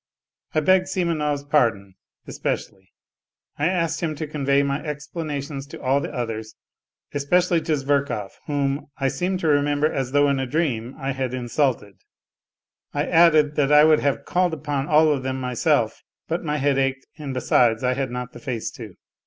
I begged Simonov's pardon especially; I asked him to convey my explanations to all the others, especially to Zverkov, whom " I seemed to remember as though in a dream " I had insulted. I added that I would have called upon all of them myself, but my head ached, and besides I had not the face to.